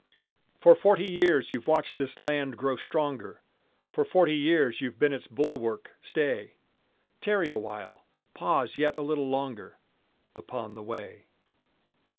For forty years you've watched this land grow stronger, For forty years you've been its bulwark, stay; Tarry awhile; pause yet a little longer Upon the way.